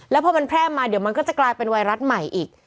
แล้วพอมันแพร่มาเดี๋ยวมันก็จะกลายเป็นไวรัสใหม่อีก